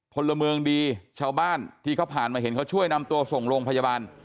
พลเมืองดีชาวบ้านที่เขาผ่านมาเห็นเขาช่วยนำตัวส่งโรงพยาบาล